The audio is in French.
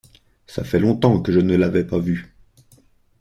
Ça fait longtemps que je ne l’avais pas vue.